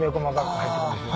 あ入ってますね。